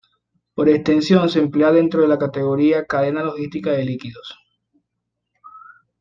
Por extensión se emplea dentro de la categoría "cadena logística de líquidos".